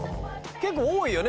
結構多いよね